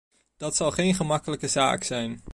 Dat zal geen gemakkelijke zaak zijn.